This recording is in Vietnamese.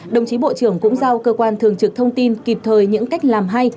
đồng chí bộ trưởng cũng giao cơ quan thường trực thông tin kịp thời những cách làm hay